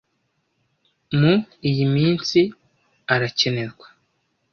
mu iyi minsi arakenerwa